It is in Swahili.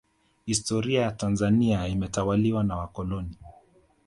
historia ya tanzania inatawaliwa na wakoloni